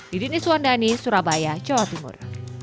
di dini suwandani surabaya jawa timur